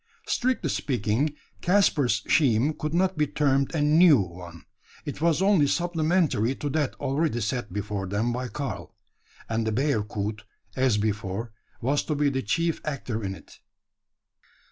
Strictly speaking, Caspar's scheme could not be termed a new one. It was only supplementary to that already set before them by Karl; and the bearcoot, as before, was to be the chief actor in it.